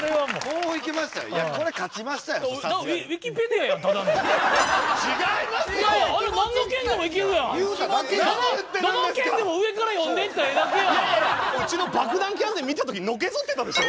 うちのバクダンキャンディー見た時のけぞってたでしょ？